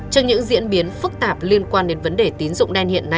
trong những diễn biến phức tạp liên quan đến vấn đề tín dụng